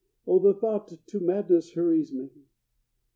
Oh, the thought to madness hurries me!